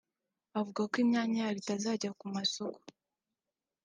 avuga ko imyanya yabo itazajya ku masoko